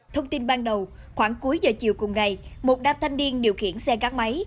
thông tin ban đầu khoảng cuối giờ chiều cùng ngày một đam thanh niên điều khiển xe gác máy